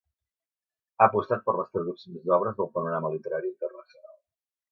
Ha apostat per les traduccions d'obres del panorama literari internacional.